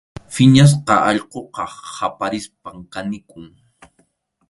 Phiñasqa allquqa qaparispam kanikun.